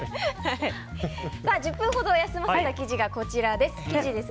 １０分ほど休ませた生地がこちらです。